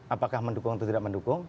apakah mendukung atau tidak mendukung